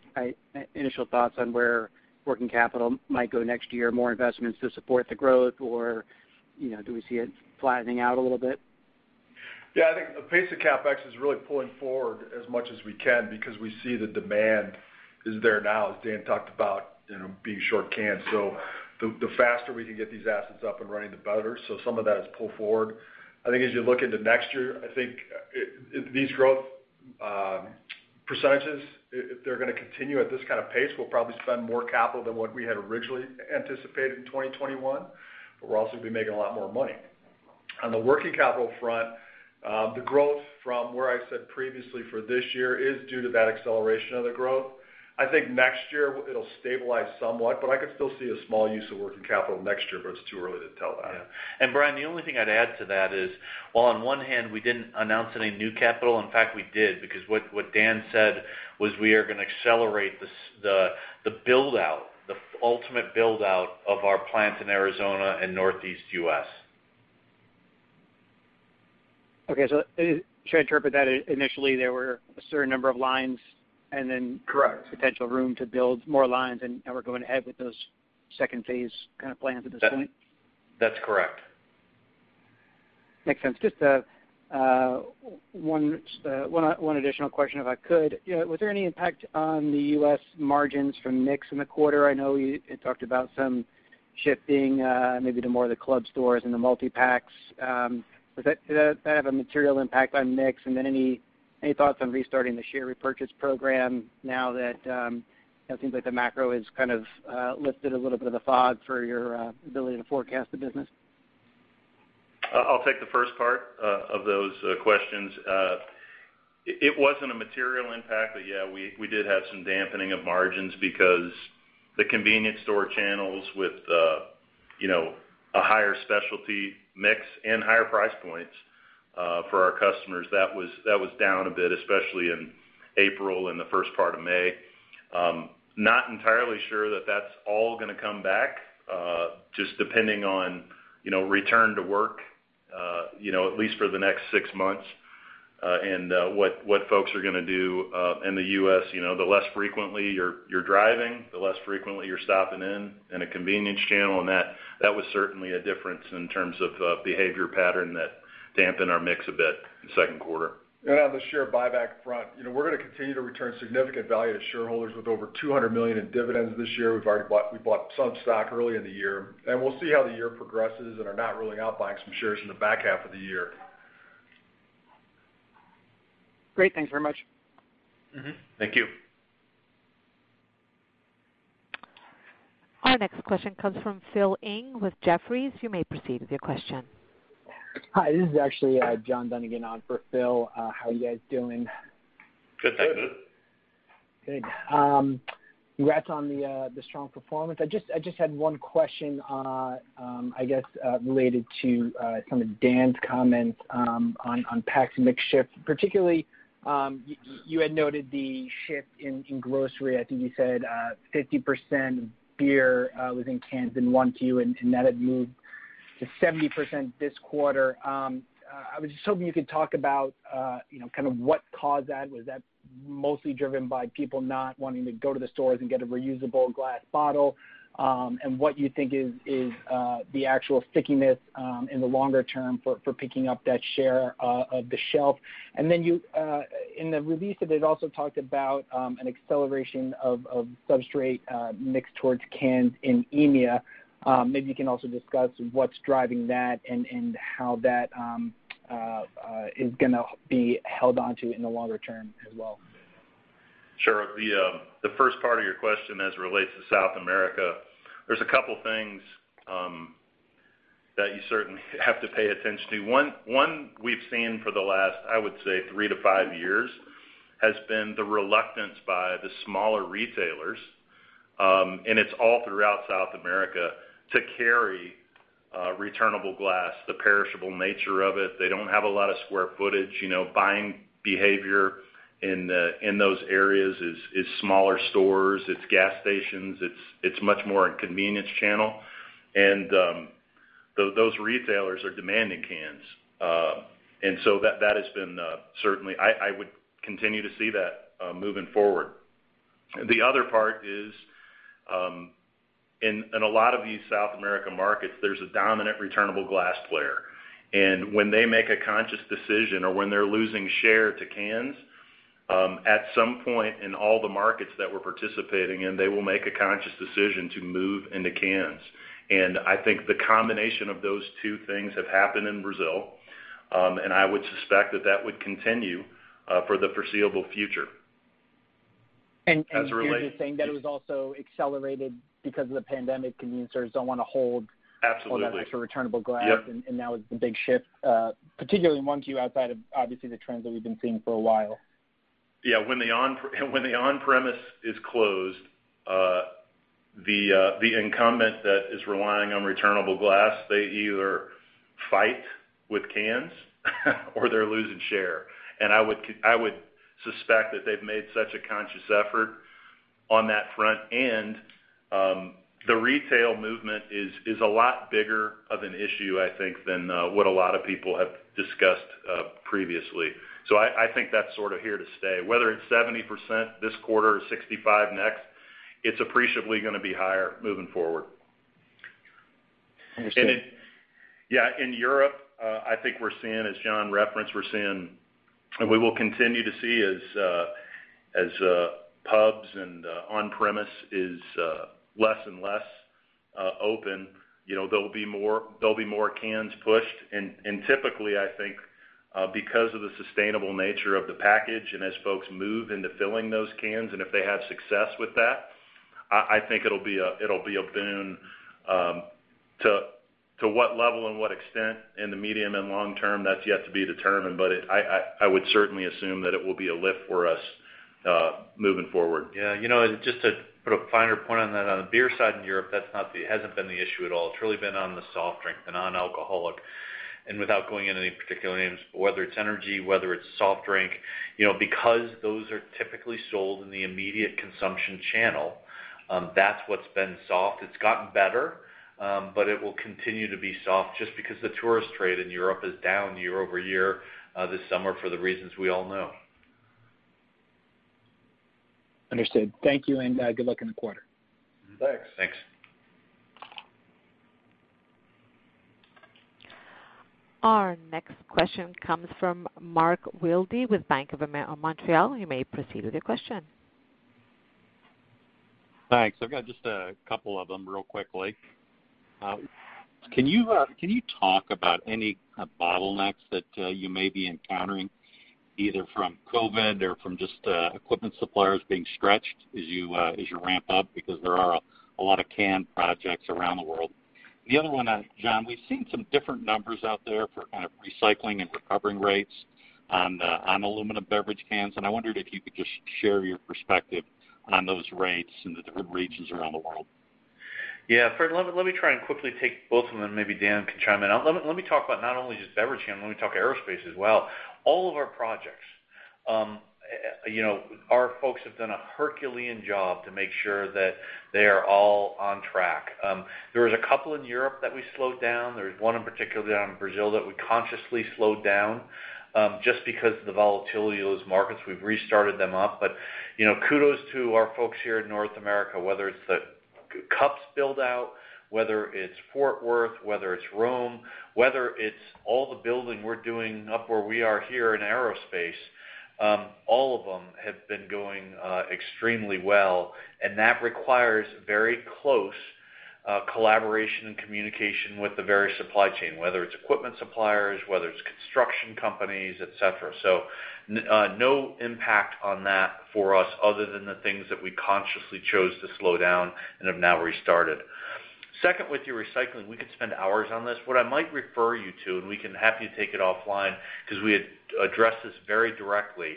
initial thoughts on where working capital might go next year? More investments to support the growth or do we see it flattening out a little bit? I think the pace of CapEx is really pulling forward as much as we can because we see the demand is there now, as Dan talked about, being short cans. The faster we can get these assets up and running, the better. I think as you look into next year, I think these growth percentages, if they're going to continue at this kind of pace, we'll probably spend more capital than what we had originally anticipated in 2021, but we'll also be making a lot more money. On the working capital front, the growth from where I said previously for this year is due to that acceleration of the growth. I think next year it'll stabilize somewhat, but I could still see a small use of working capital next year, but it's too early to tell that. Yeah. Brian, the only thing I'd add to that is, while on one hand we didn't announce any new capital, in fact, we did, because what Dan said was we are going to accelerate the build-out, the ultimate build-out of our plants in Arizona and Northeast U.S. Okay. Should I interpret that initially there were a certain number of lines and then- Correct Potential room to build more lines, and now we're going ahead with those second-phase kind of plans at this point? That's correct. Makes sense. Just one additional question, if I could. Was there any impact on the U.S. margins from mix in the quarter? I know you had talked about some shifting, maybe to more of the club stores and the multi-packs. Did that have a material impact on mix? Any thoughts on restarting the share repurchase program now that it seems like the macro has kind of lifted a little bit of the fog for your ability to forecast the business? I'll take the first part of those questions. It wasn't a material impact, but yeah, we did have some dampening of margins because the convenience store channels with a higher specialty mix and higher price points for our customers that was down a bit, especially in April and the first part of May. Not entirely sure that that's all going to come back, just depending on return to work, at least for the next six months, and what folks are going to do in the U.S. The less frequently you're driving, the less frequently you're stopping in a convenience channel, and that was certainly a difference in terms of behavior pattern that dampened our mix a bit in the second quarter. On the share buyback front, we're going to continue to return significant value to shareholders with over $200 million in dividends this year. We've already bought some stock early in the year, and we'll see how the year progresses and are not ruling out buying some shares in the back half of the year. Great. Thanks very much. Thank you. Our next question comes from Phil Ng with Jefferies. You may proceed with your question. Hi, this is actually John Dunigan on for Phil. How are you guys doing? Good. How are you, dude? Good. Congrats on the strong performance. I just had one question, I guess, related to some of Dan's comments on packs mix shift, particularly, you had noted the shift in grocery. I think you said 50% beer was in cans in 1Q, and that had moved to 70% this quarter. I was just hoping you could talk about kind of what caused that. Was that mostly driven by people not wanting to go to the stores and get a reusable glass bottle? What you think is the actual stickiness in the longer term for picking up that share of the shelf? In the release, it had also talked about an acceleration of substrate mix towards cans in EMEA. You can also discuss what's driving that and how that is going to be held onto in the longer term as well. Sure. The first part of your question, as it relates to South America, there's a couple things that you certainly have to pay attention to. One we've seen for the last, I would say, three to five years, has been the reluctance by the smaller retailers, and it's all throughout South America, to carry returnable glass, the perishable nature of it. They don't have a lot of square footage. Buying behavior in those areas is smaller stores, it's gas stations, it's much more a convenience channel. Those retailers are demanding cans. That has been, certainly, I would continue to see that moving forward. The other part is, in a lot of these South America markets, there's a dominant returnable glass player. When they make a conscious decision or when they're losing share to cans, at some point in all the markets that we're participating in, they will make a conscious decision to move into cans. I think the combination of those two things have happened in Brazil. I would suspect that that would continue for the foreseeable future. Dan just saying that it was also accelerated because of the pandemic. Convenience stores don't want to hold. Absolutely All that extra returnable glass. Yep. Now it's the big shift, particularly in 1Q, outside of obviously the trends that we've been seeing for a while. Yeah. When the on-premise is closed, the incumbent that is relying on returnable glass, they either fight with cans or they're losing share. I would suspect that they've made such a conscious effort on that front, and the retail movement is a lot bigger of an issue, I think, than what a lot of people have discussed previously. I think that's sort of here to stay. Whether it's 70% this quarter or 65% next, it's appreciably going to be higher moving forward. Understood. Yeah, in Europe, I think we're seeing, as John referenced, we're seeing, and we will continue to see, as pubs and on-premise is less and less open, there'll be more cans pushed. Typically, I think, because of the sustainable nature of the package, and as folks move into filling those cans, and if they have success with that, I think it'll be a boon. To what level and what extent in the medium and long term, that's yet to be determined, but I would certainly assume that it will be a lift for us moving forward. Yeah. Just to put a finer point on that, on the beer side in Europe, that hasn't been the issue at all. It's really been on the soft drink, the non-alcoholic. Without going into any particular names, whether it's energy, whether it's soft drink. Because those are typically sold in the immediate consumption channel, that's what's been soft. It's gotten better, but it will continue to be soft just because the tourist trade in Europe is down year-over-year this summer for the reasons we all know. Understood. Thank you, and good luck in the quarter. Thanks. Thanks. Our next question comes from Mark Wilde with Bank of Montreal. You may proceed with your question. Thanks. I've got just a couple of them real quickly. Can you talk about any bottlenecks that you may be encountering, either from COVID or from just equipment suppliers being stretched as you ramp up? Because there are a lot of can projects around the world. The other one, John, we've seen some different numbers out there for kind of recycling and recovering rates on aluminum beverage cans, and I wondered if you could just share your perspective on those rates in the different regions around the world. First, let me try and quickly take both of them. Maybe Dan can chime in. Let me talk about not only just beverage can, let me talk aerospace as well. All of our projects, our folks have done a Herculean job to make sure that they are all on track. There is a couple in Europe that we slowed down. There's one in particular down in Brazil that we consciously slowed down, just because of the volatility of those markets. We've restarted them up. Kudos to our folks here in North America, whether it's the cups build out, whether it's Fort Worth, whether it's Rome, whether it's all the building we're doing up where we are here in aerospace. All of them have been going extremely well, and that requires very close collaboration and communication with the various supply chain, whether it's equipment suppliers, whether it's construction companies, et cetera. No impact on that for us other than the things that we consciously chose to slow down and have now restarted. Second, with your recycling, we could spend hours on this. What I might refer you to, and we can happily take it offline, because we address this very directly.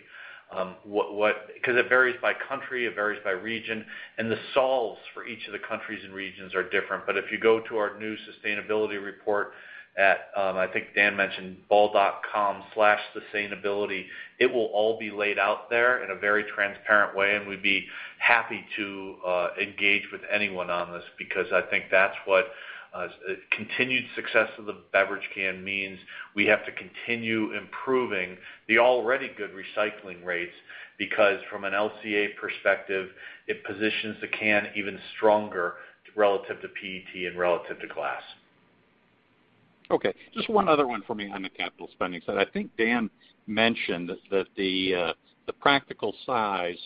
It varies by country, it varies by region, and the solves for each of the countries and regions are different. If you go to our new sustainability report at, I think Dan mentioned, ball.com/sustainability, it will all be laid out there in a very transparent way, and we'd be happy to engage with anyone on this. Because I think that's what continued success of the beverage can means. We have to continue improving the already good recycling rates, because from an LCA perspective, it positions the can even stronger relative to PET and relative to glass. Okay. Just one other one for me on the capital spending side. I think Dan mentioned that the practical size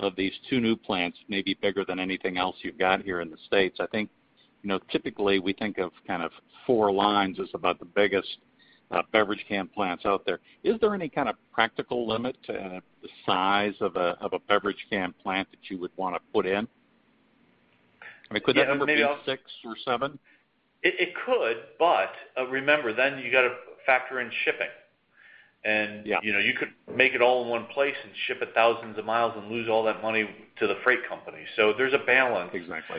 of these two new plants may be bigger than anything else you've got here in the U.S. I think, typically, we think of four lines as about the biggest beverage can plants out there. Is there any kind of practical limit to the size of a beverage can plant that you would want to put in? I mean, could that number be six or seven? It could, remember, then you got to factor in shipping. You could make it all in one place and ship it thousands of miles and lose all that money to the freight company. There's a balance. Exactly.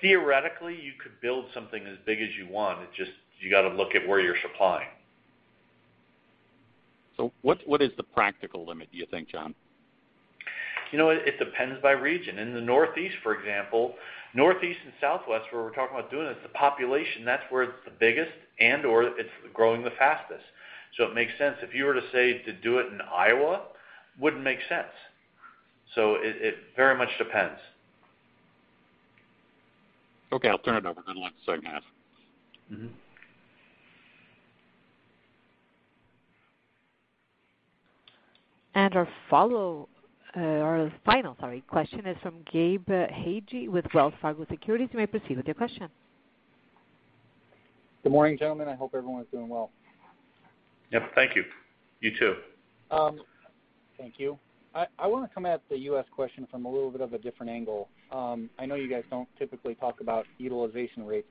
Theoretically, you could build something as big as you want. It's just, you got to look at where you're supplying. What is the practical limit, do you think, John? You know what? It depends by region. In the Northeast, for example. Northeast and Southwest, where we're talking about doing this, the population, that's where it's the biggest and, or it's growing the fastest. It makes sense. If you were to say to do it in Iowa, wouldn't make sense. It very much depends. Okay, I'll turn it over. I don't want to segue. Our final question is from Gabe Hajde with Wells Fargo Securities. You may proceed with your question. Good morning, gentlemen. I hope everyone's doing well. Yep. Thank you. You too. Thank you. I want to come at the U.S. question from a little bit of a different angle. I know you guys don't typically talk about utilization rates.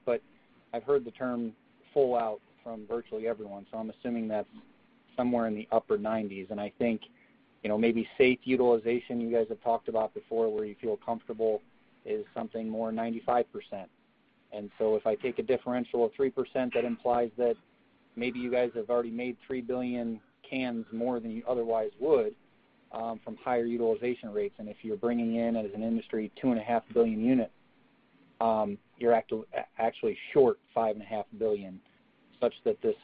I've heard the term full out from virtually everyone. I'm assuming that's somewhere in the upper 90s. I think, maybe safe utilization you guys have talked about before, where you feel comfortable, is something more 95%. If I take a differential of 3%, that implies that maybe you guys have already made 3 billion cans more than you otherwise would from higher utilization rates. If you're bringing in, as an industry, 2.5 billion units, you're actually short 5.5 billion, such that this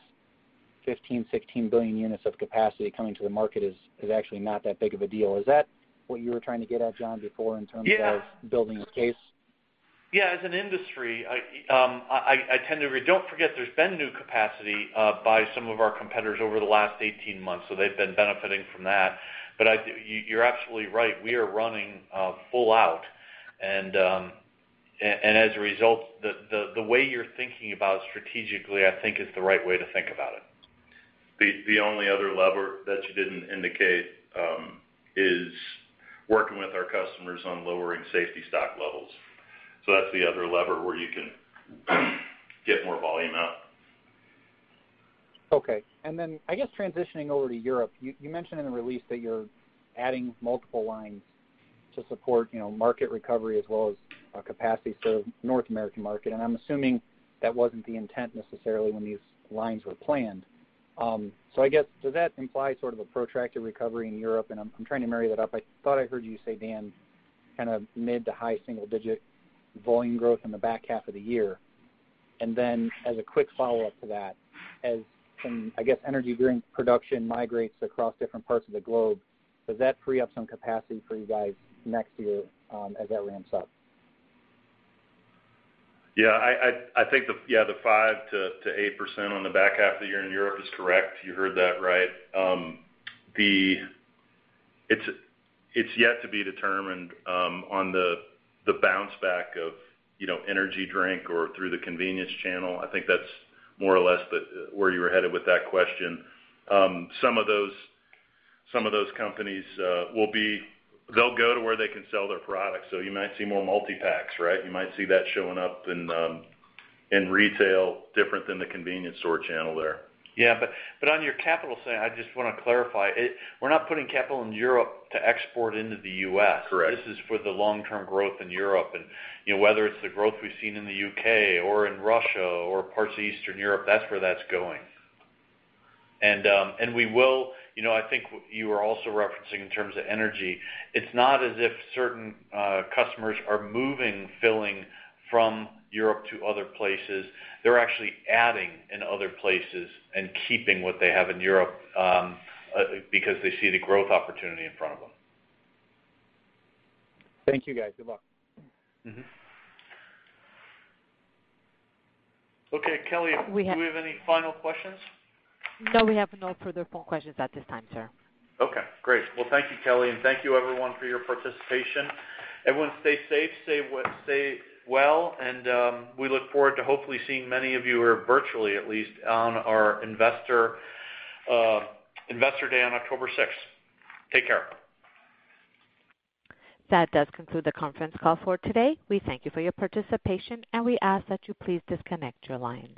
15 billion-16 billion units of capacity coming to the market is actually not that big of a deal. Is that what you were trying to get at, John, before, in terms of building this case? Yeah. As an industry, don't forget there's been new capacity by some of our competitors over the last 18 months, so they've been benefiting from that. You're absolutely right. We are running full out, and as a result, the way you're thinking about strategically, I think, is the right way to think about it. The only other lever that you didn't indicate is working with our customers on lowering safety stock levels. That's the other lever where you can get more volume out. Okay. Then I guess transitioning over to Europe, you mentioned in the release that you're adding multiple lines to support market recovery as well as capacity to serve North American market, and I'm assuming that wasn't the intent necessarily when these lines were planned. I guess, does that imply sort of a protracted recovery in Europe? I'm trying to marry that up. I thought I heard you say, Dan, kind of mid to high single-digit volume growth in the back half of the year. Then, as a quick follow-up for that, as energy drink production migrates across different parts of the globe, does that free up some capacity for you guys next year as that ramps up? Yeah, I think the 5%-8% on the back half of the year in Europe is correct. You heard that right. It's yet to be determined on the bounce back of energy drink or through the convenience channel. I think that's more or less where you were headed with that question. Some of those companies they'll go to where they can sell their products. You might see more multi-packs, right? You might see that showing up in retail, different than the convenience store channel there. Yeah, on your capital side, I just want to clarify, we're not putting capital in Europe to export into the U.S. Correct. This is for the long-term growth in Europe. Whether it's the growth we've seen in the U.K. or in Russia or parts of Eastern Europe, that's where that's going. I think you were also referencing in terms of energy, it's not as if certain customers are moving filling from Europe to other places. They're actually adding in other places and keeping what they have in Europe because they see the growth opportunity in front of them. Thank you, guys. Good luck. Okay, Kelly. We have- Do we have any final questions? No, we have no further phone questions at this time, sir. Okay, great. Well, thank you, Kelly, and thank you, everyone, for your participation. Everyone, stay safe, stay well, and we look forward to hopefully seeing many of you, virtually at least, on our Investor Day on October 6th. Take care. That does conclude the conference call for today. We thank you for your participation. We ask that you please disconnect your lines.